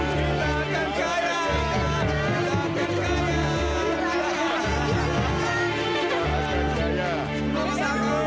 si gagap itu jadi idola bob